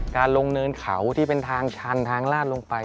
การลงเนินเขาที่เป็นทางชันทางลาดลงไป